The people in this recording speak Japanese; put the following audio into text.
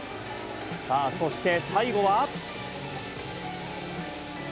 さあそして、最後は。